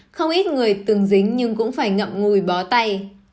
không ít người tường dính nhưng cũng phải ngậm ngùi bó tay